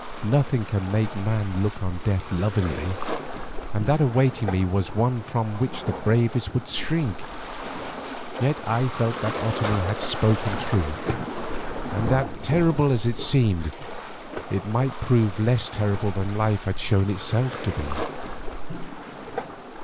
Nothing can make man look on death lovingly, and that awaiting me was one from which the bravest would shrink, yet I felt that Otomie had spoken truth, and that, terrible as it seemed, it might prove less terrible than life had shewn itself to be.